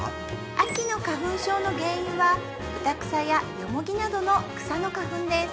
秋の花粉症の原因はブタクサやヨモギなどの草の花粉です